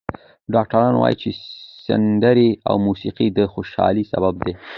ډاکټران وايي چې سندرې او موسیقي د خوشحالۍ سبب دي.